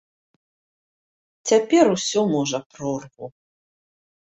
Цяпер усё можа прорву.